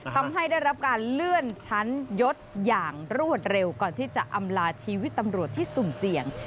ทำให้ได้รับการเลื่อนชั้นยศอย่างรวดเร็วก่อนที่จะอำลาชีวิตตำรวจที่สุ่มเสี่ยง